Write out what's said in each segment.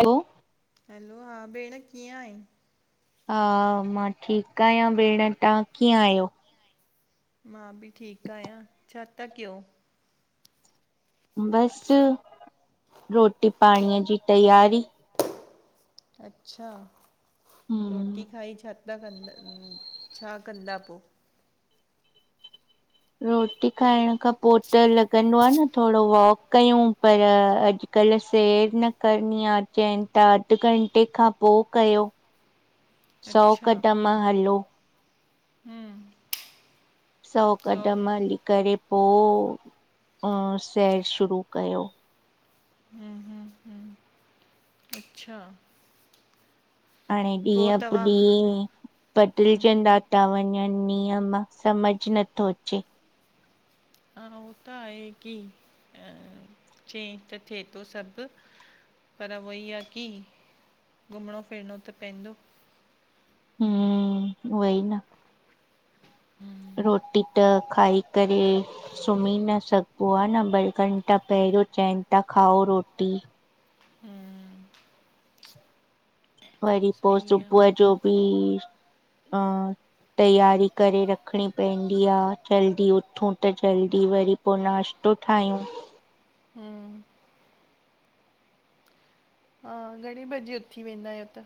Hello! Hello हा बेण कीअं आही? हा, मां ठीकु आहियां भेण तव्हां कीअं आहियो? मां बि ठीकु आहियां, छा था कयो? बसि रोटी पाणीअ जी तयारी। अच्छा रोट रोटी खाई छा था कनि, छा कंदा पो? रोटी खाइण खां पोइ त लॻंदो आहे न थोरो वॉक कयूं पर अॼु कल्ह सेर न करणी आहे चयनि था अध घंटे खां पोइ कयो - - [inaudible] सौ कदम हलो। सौ क़दम हली करे पो, अ सैर शुरू कयो। हुं, हुं, हुं छा? हाणे ॾिंहु पुजे बदिल जनि ता वञणु नियम सम्झ नथो अचे। हा, हो त आहे कि, अ चेंज त थेए तो सभु पर वई आहे कि, घुमणो फिरणो त पेहनदो हंम्, वई ना [inaudible] रोटी त खाई करे सुम्ही न सघिबो आ, न ॿ घंटा पंहिंरियों चवनि था खाओ रोटी वरी पो सुबहु जो बि अ तैयारी करे रखणी पेहंदी आ, जल्दी उथूं त जल्दी वरी पो नाश्तो ठाहियूं हुं हा, घणे बजे उथी वेंदा आहियो तां?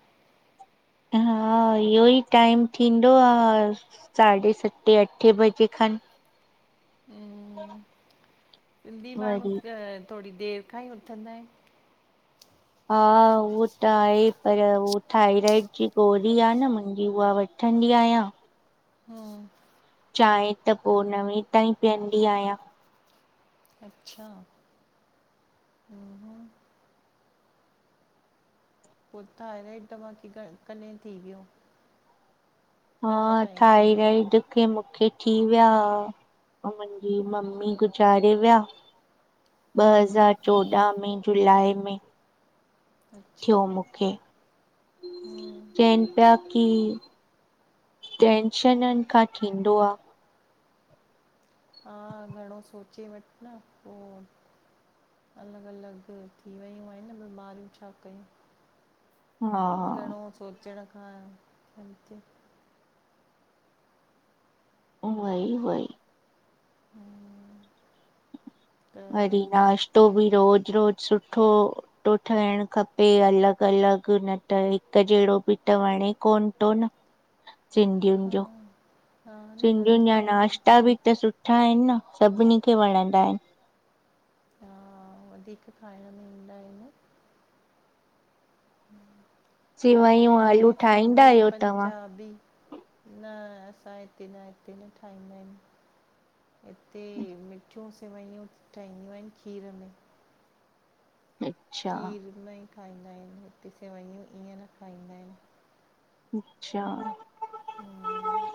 हा इयो ई टाइम थींदो आ। साढे सते अठे बजे खनि हुं, सिंधी माण्हूं ज अ थोरी देरि खां ई उथंदा हिनि। हा वो त आहे पर हो थाइराइड जी गोरी आ न मुंजी उवां वटि वठंदी आहियां। हुं चांय त पो नवें ताईं पीअंदी आहियां। अच्छा, हुं हुं पो थायराइड तव्हांखे क कनेहिं थी वियूं हा थाईराइड के मूंखे थी विया अ मुंजी मम्मी गुज़ारे विया ॿ हज़ार चोॾाहं में जुलाई में थियो मुंखे, चयनि पिया की टेंशननि खां थींदो आ। हा घणो सोचे वठि न पो। अलॻि अलॻि थी वयूं, हेनि न बीमारियूं छा कयूं? घणो सोचण खां थियण थुं। ओवई वई हुंम्म अरे! नाश्तो बि रोज़ रोज़ सुठो तो ठहिणु खपे, अलॻि अलॻि न त ठहें हिकु जहिड़ो बि त वणे कोन तो न, सिंधियुनि जो सिंधियुनि जा नाश्ता बि त सुठा आहिनि न सभिनी खे वणंदा हिनि। वधिक खाईण में ईंदा हिनि न पर‌ इयो न आये सिंधी, पंजाबी न असां हिते न, हिते न ठाहींदा हिन हिते मिठियूं सिवइयूं ठहींदियूं हिनि खीर में खीर में ई खाईंदा हिनि हिते सिवइयूं ईअं न खाईंदा हिनि। अच्छा,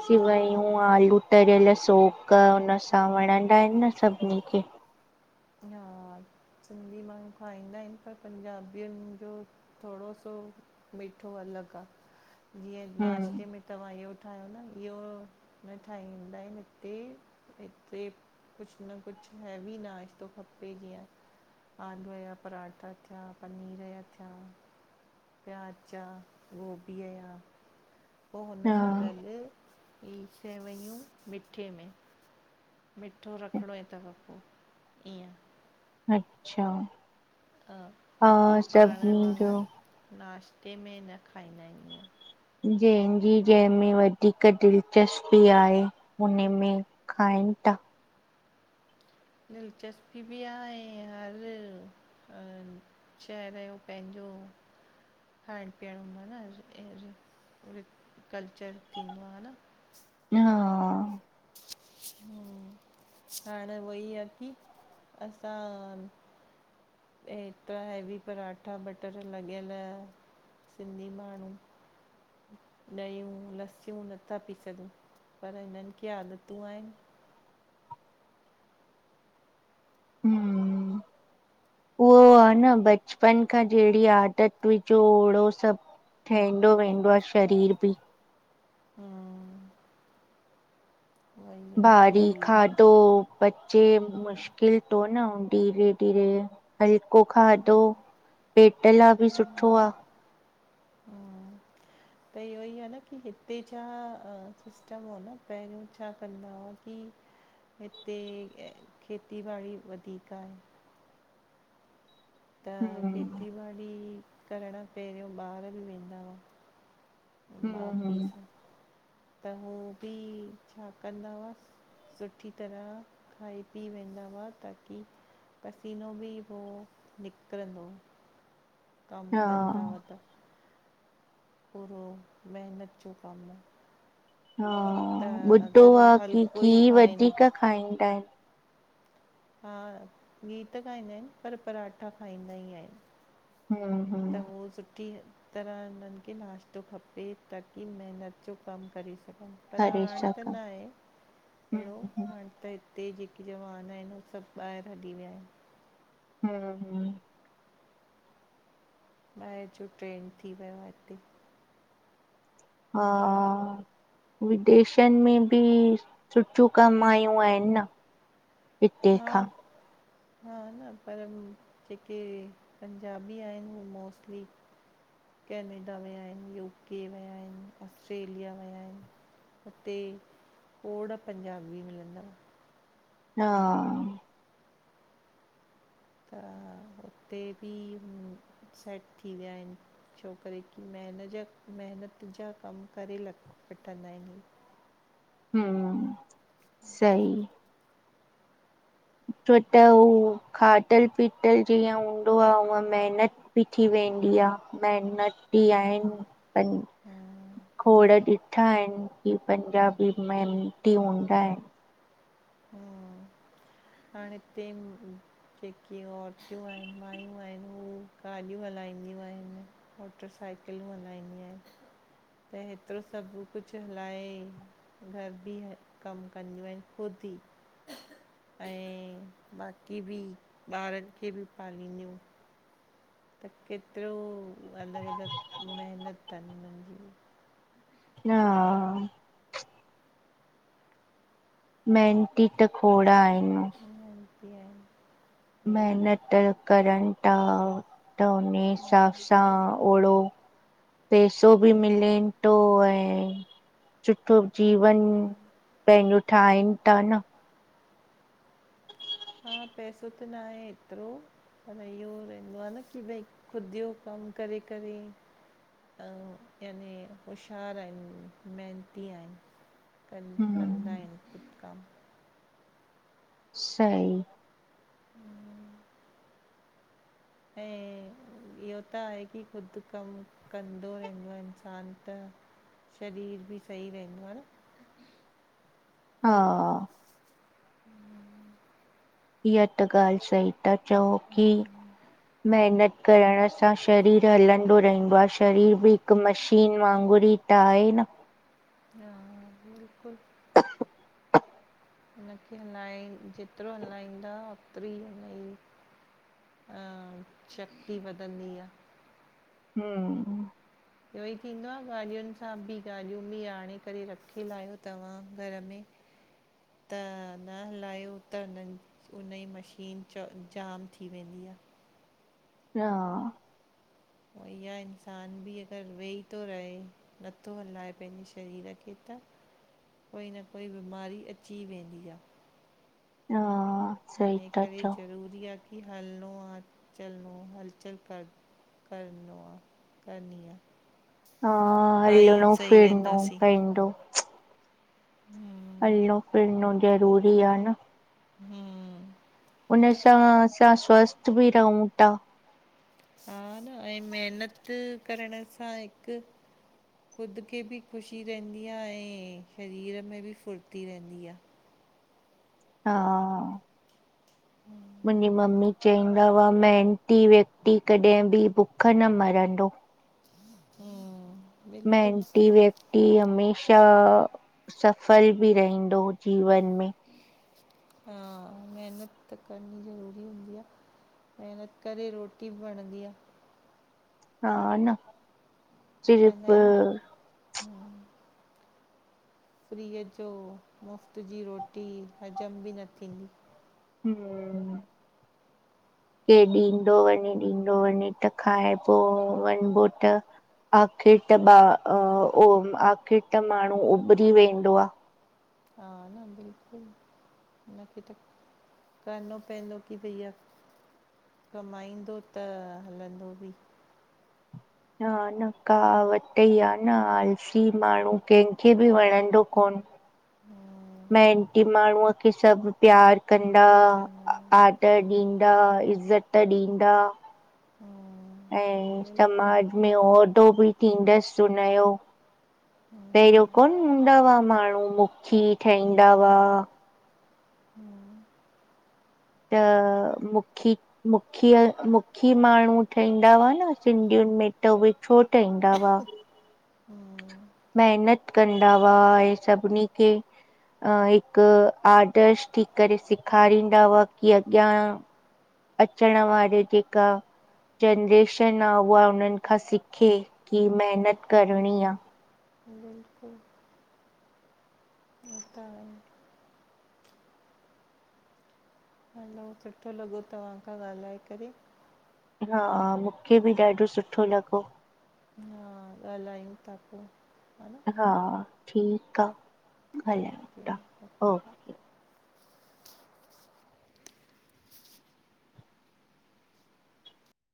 सिवईयूं आलू तरियल सोक उन सां वणंदा आहिनि न सभिनी खे। हा सिंधी माण्हू खाईंदा आहिनि पर पंजाबियुनि जो थोड़ो सो मिठो अलॻि आ जीअं नाश्ते में तव्हां इहो ठाहियो न इहो न ठाहींदा आहिनि हिते, हिते कुछ न कुछ हेवी नाश तो खपे जीअं आलूअ जा परांठा थिया पनीर जा थिया‌। प्याज ज़ा गोभीअ या। पो हुन सां गॾु ई सेवयूं मिठे में। मिठो रखिणो ई तव पो ईअं। अच्छा। हा बाक़ी पाण वांगुरु नाश्ते में न खाईंदायु ईंय। जंहिंजी जंहिंमें वधीक दिलचस्पी आहे उनमें खाइन ता। दिलचस्पी बि आ ऐं हर शहर जो पंहिंजो खाइण पीअण हूंदो आ न ऐ, इन जो कल्चर थींदो आ न। हा हम्म हाणे वही आ की असां ऐं एतिरा हैवी परांठा बटर लॻियल सिंधी माण्हूं ॾयूं लस्सियूं नथा पी सघूं, पर हिननि खे आदतूं आहिनि। [inaudible] उहो आ न बचपन खां जहिड़ी आदत विझो ओड़ो सब। ठहिंदो वेंदो आ शरीर बि। हम्म - - भारी खाधो पचे - - मुश्किल थो न धीरे धीरे हल्को खाधो - - पेट लाइ बि सुठो आ। त इहो ई आ न की हिते छा सिस्टम हो न पहिरियों छा कंदा हुआ की हिते खेती बाड़ी वधीक आहे। त खेती ॿाड़ी करण पहिरियों ॿार बि वेंदा हुआ। माउ पीउ सां, त हो बि छा कंदा हुआ - - सुठी तरह खाई पी वेंदा हुआ ताकी - - पसीनो बि पो निकिरंदो, कम कंदा हुआ त - - पूरो महिनत जो कमु हो। हा ॿुधो आ की घी वधीक खाईंदा आहिन। हा घी त ॻाईंदा आहिन, पर पराठा खाईंदा ही आहिन। हम्म हम्म - - त उहो सुठी - - तरह उननि खे नाश्तो खपे ताकी महिनत जो कम करे सघन। पर हाण त न आ अहिड़ो हाण त हिते जेके जवान आहिन उहे सब ॿाहिर हली विया आहिन। हम्म- - ॿाहिरि जो ट्रेंड थी वियो आ इते। हा - - विदेशन में बि सुठियूं कमायूं आहिन न। हा। हा न पर जेके पंजाबी आहिन उ मोस्टली। केनेडा वियाहिन यू के वियाहिन ऑस्ट्रेलिया वियाहिन। हुथे खोड़ पंजाबी मिलंदंव। हा। त हुते बि सेट थी वियाहिन। छोकरे की मेहेन जा मेहेनत जा कम करे ल वठंदाहिन नी। हं सई। छो त हू खाधल पीतल जीअं हूंदो आ हूअ मेहेनत। पिठी वेंदी आ मेहनत। याईंन तन खोड़ दि। ठाइण की पंजाबी मेहेनती हूंदाईन। हं हाणे हिते। जेके औरतूं आहिन माइयूं आहिन उह ॻाॾियूं हलाईंदियूं आहिन। मोटर साइकिलूं हलाईंदि आहिन। त हेतरो सभ कुछ हलाए। घर बि कम कंदियूंअईंन खुद ही। आएं बाक़ी बि ॿारन खे बि पालींदियूं। त केतरो अलॻ अलॻ मेहेनत थन उनन जी। हा। मेहनती त खोड़ आहिन। ई हिते आहे। मेहनत त करंता। त उनै हिसाब सां ओड़ो। पैसो बि मिले थो ऐं सुठो। जीवन पेंजो ठाहिन ता न। हा पैसो त न आहे एतरो। पर इहो रहंदो आ न की भई ख़ुदियू कम करे करे। आऊ यानी होशियार आहिन मेहेनती आहिन। कन कंदा आहिन खुद कम्। सही। अऐं इहो त ह की ख़ुद कम। कंदो रहंदो आ इंसान त शरीर भी सही रहंदो आ न। हा। हं। ईह ता ॻाल् सही त चवो की। मेहनत करण सां शरीर हलंदो रहंदो आ शरीर भी हिक मशीन वांगुरु ई। त आहे न। हं बिल्कुल। हुनखे हलाय जेतरो हलाईंदा ओतरी अलई। शक्ती वधंदी आ। हं। इहो ई थींदो आ ॻाॾियुनि सां बि ॻाॾियूं बि आणे करे रखी लायो तव्हां घर में। त न हलायो त न। हुन ई मशीन चओ जाम थी वेंदी आ। हा, उअही आ इंसान भी अगरि वेही थो रहे नथो हलाए पंहिंजे शरीर खे त कोई न कोई बीमारी अची वेंदी आ। हा, हिन करे ज़रूरी आ की हलणो आ चलणो हलचल कर करणो आ करणी आ। हा हलणो फिड़णो पइंदो। हुं, हलणो फिरनो ज़रूरी आ न। हूं, उन सां असां स्वस्थ भी रहूं था। हा न, ऐं मेहनत करण सां हिक ख़ुद खे बि ख़ुशी रहंदी आ ऐं शरीर में भी फुर्ती रहंदी आ। हा, मुंजी मम्मी चईंदा हुआ मेहनती व्यक्ति कॾहिं बि भुख न मरंदो। हूं, मेहनती व्यक्त ती हमेशा सफल बि रहंदो जीवन में। हा, मेहनत त करणी ज़रूरी हूंदी आ। मेहनत करे रोटी भी वणंदी आ। हा न, चिरफ फ्रीअ जो मुफ़्त जी रोटी हज़म बि न थींदी। हम्म, के ॾींदो वञे ॾींदो वञे त खाइबो वञिबो त आख़िर त ॿा अ उहो आखिर त माण्हू उभरी वेंदो आ। हा न बिल्कुल हुनखे त करिणो पवंदो की भईया कमाईंदो त, हलंदो बि हा न कहावत त ई आ न आलसी माण्हू कंहिंखे बि वणंदो कोन। हा, एंटी माण्हूअ खे सभु प्यार कंदा आ त ॾींदा, इज़त ॾींदा हा, ऐं समाज में ओदो बि थींदसि हुनयो पेरियो कोन हूंदा हुआ माण्हू मुखी ठहींदा हुआ। त मुखी मुखीअ मुखी माण्हू ठहींदा हुआ न सिंधियुनि में त विछो ठहींदा हुआ। महिनत कंदा हुआ ऐं सभिनी खे अ हिकु आदर्श थी करे सेखारींदा हुआ की अॻियां अचण वारी जेका जनरेशन आ उहा उन्हनि खां सिखे की महिनत करणी आ। उअई त। हो त आए। ना सुठो लॻो तव्हां खां ॻाल्हाए करे हा मूंखे बि ॾाढो सुठो लॻो। हा, ॻाल्हायूं था पो हा न। हा ठीकु आ हरीओम त ओ।